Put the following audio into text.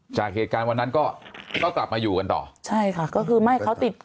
จากเหตุการณ์วันนั้นก็ก็กลับมาอยู่กันต่อใช่ค่ะก็คือไม่เขาติด